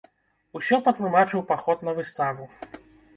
Усё патлумачыў паход на выставу.